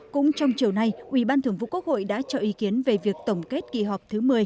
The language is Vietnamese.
cũng trong chiều nay ủy ban thường vụ quốc hội đã cho ý kiến về việc tổng kết kỳ họp thứ một mươi